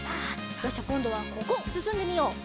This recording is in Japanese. よしじゃあこんどはここすすんでみよう。